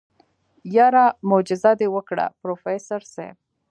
يره موجيزه دې وکړه پروفيسر صيب.